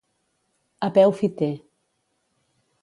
A peu fiter.